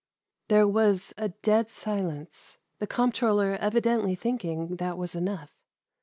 There was a dead silence ; the comptroller evidently thinking that was enough.